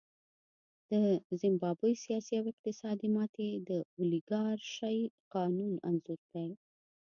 د زیمبابوې سیاسي او اقتصادي ماتې د اولیګارشۍ قانون انځور دی.